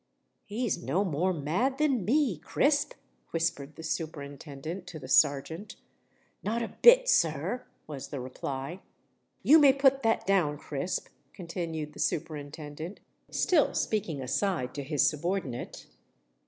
"He's no more mad than me, Crisp," whispered the Superintendent to the Serjeant. "Not a bit, sir," was the reply. "You may put that down, Crisp," continued the Superintendent, still speaking aside to his subordinate.